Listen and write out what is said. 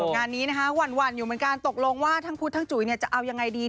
งานนี้นะคะหวั่นอยู่เหมือนกันตกลงว่าทั้งพุทธทั้งจุ๋ยจะเอายังไงดี